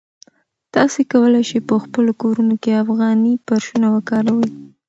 تاسي کولای شئ په خپلو کورونو کې افغاني فرشونه وکاروئ.